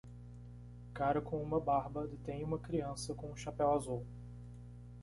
Cara com uma barba detém uma criança com um chapéu azul.